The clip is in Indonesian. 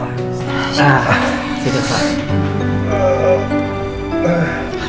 nah tidur pak